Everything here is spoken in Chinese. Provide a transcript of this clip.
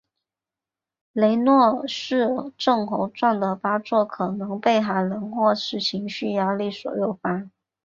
雷诺氏症候群的发作可能被寒冷或是情绪压力所诱发。